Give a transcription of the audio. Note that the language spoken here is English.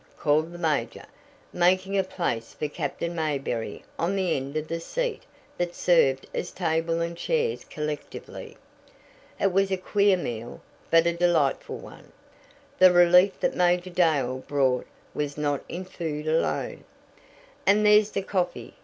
called the major, making a place for Captain Mayberry on the end of the seat that served as table and chairs collectively. It was a queer meal but a delightful one. The relief that Major Dale brought was not in food alone. "And there's the coffee!"